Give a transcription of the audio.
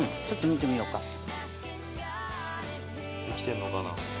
ちょっと見てみようか。